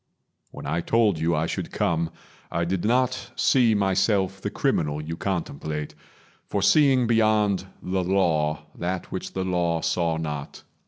When I told you I should come, I did not see myself the criminal You contemplate, for seeing beyond the Law That which the Law saw not.